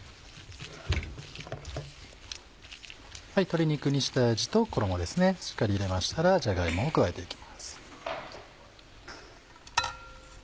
鶏肉に下味と衣しっかり入れましたらじゃが芋を加えて行きます。